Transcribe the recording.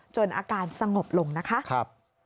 อาการสงบลงนะคะ